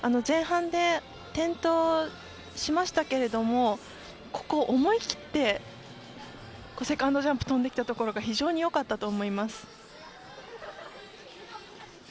前半で転倒しましたけれどもここ、思い切ってセカンドジャンプを跳んできたところが非常に良かったと思います。